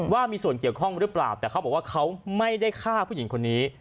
ว่ามีส่วนเกี่ยวข้องหรือเปล่าแต่เขาบอกว่าเขาไม่ได้ฆ่าผู้หญิงคนนี้